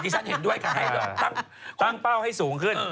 ที่ฉันเห็นด้วยค่ะให้ตั้งเป้าให้สูงขึ้น